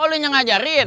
oh lu yang ngajarin